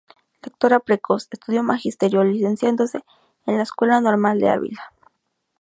Lectora precoz, estudió Magisterio, licenciándose en la Escuela Normal de Ávila.